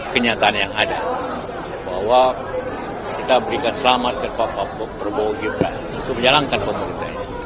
kenyataan yang ada bahwa kita berikan selamat kepada pak prabowo gibran untuk menjalankan pemerintah